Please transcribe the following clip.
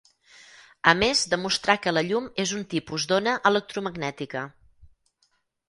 A més demostrà que la llum és un tipus d'ona electromagnètica.